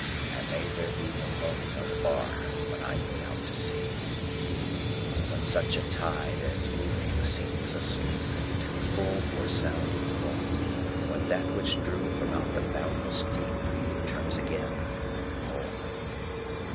And may there be no moaning of the bar, When I put out to sea, But such a tide as moving seems asleep, Too full for sound or foam, When that which drew from out the boundless deep Turns again home.